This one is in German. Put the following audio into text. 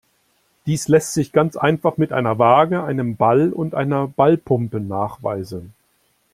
Dies lässt sich ganz einfach mit einer Waage, einem Ball und einer Ballpumpe nachweisen.